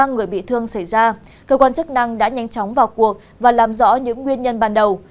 ba người bị thương xảy ra cơ quan chức năng đã nhanh chóng vào cuộc và làm rõ những nguyên nhân ban đầu